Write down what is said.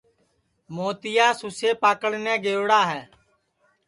موتِیا سُسئے پکڑنے گئوڑا ہے